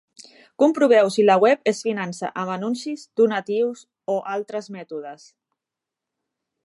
Comproveu si la web es finança amb anuncis, donatius o altres mètodes.